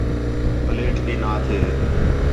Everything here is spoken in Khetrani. پلیٹ بھی نا تھے